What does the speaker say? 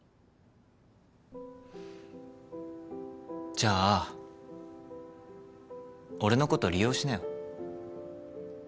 じゃあ俺のこと利用しなよ。